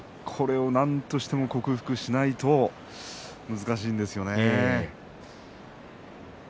なんとしてでも克服しないと難しいですよね。